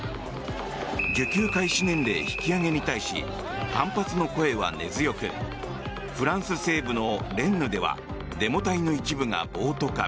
受給開始年齢引き上げに対し反発の声は根強くフランス西部のレンヌではデモ隊の一部が暴徒化。